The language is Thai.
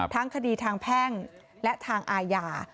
ทั้งคดีทางแพ่งและทางอาญา